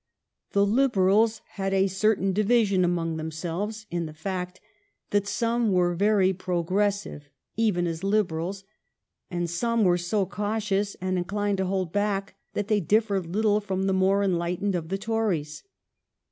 The Liberals had a certain division among themselves in the fact that some were very progressive, even as Liberals, and some were so cautious and in clined to hold back that they differed little from the more enlightened of the Tories.